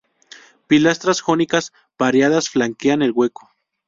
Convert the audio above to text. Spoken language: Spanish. Pilastras jónicas pareadas flanquean el hueco.